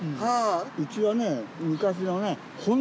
うちはね昔のね。